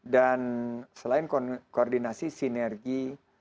dan selain koordinasi sinergi